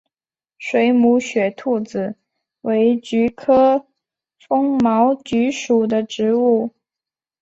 水母雪兔子为菊科风毛菊属的植物。